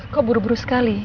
kok buru buru sekali